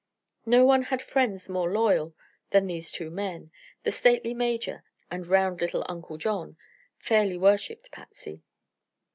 No one had friends more loyal, and these two old men the stately Major and round little Uncle John fairly worshiped Patsy.